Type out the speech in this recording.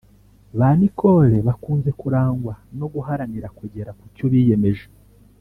Ba Nicole bakunze kurangwa no guharanira kugera kucyo biyemeje